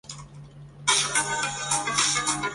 现为西城区普查登记文物。